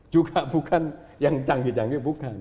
juga bukan yang canggih canggih bukan